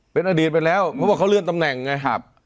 เป็นอดีตไปแล้วเพราะว่าเขาเลื่อนตำแหน่งไงครับ